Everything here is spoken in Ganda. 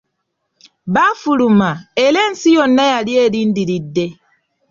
Baafuluma, era ensi yonna yali erindiridde.